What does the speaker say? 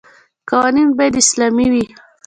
قوانین باید اسلامي وي.